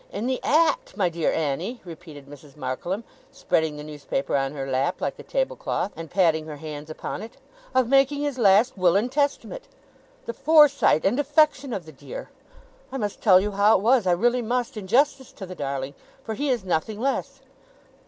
'In the act, my dear Annie,' repeated Mrs. Markleham, spreading the newspaper on her lap like a table cloth, and patting her hands upon it, 'of making his last Will and Testament. The foresight and affection of the dear! I must tell you how it was. I really must, in justice to the darling for he is nothing less!